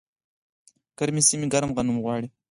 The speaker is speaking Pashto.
ګرمې سیمې ګرم غنم غواړي.